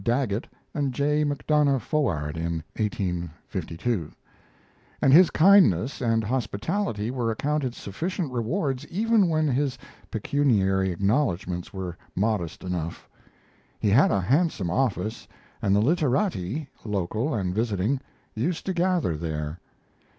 Daggett and J. McDonough Foard in 1852.] and his kindness and hospitality were accounted sufficient rewards even when his pecuniary acknowledgments were modest enough. He had a handsome office, and the literati, local and visiting, used to gather there.